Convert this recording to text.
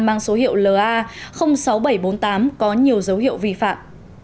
mang số hiệu la sáu nghìn bảy trăm bốn mươi tám có nhiều dấu hiệu vi phạm